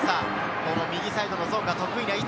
右サイドのゾーンが得意な位置。